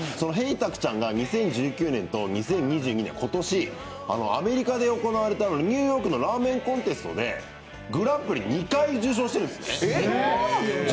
たくちゃんが２０１９年と２０２２年の今年アメリカのニューヨークで行われるラーメンコンテストでグランプリ２回受賞してるんですね。